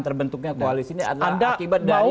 terbentuknya koalis ini adalah akibat dari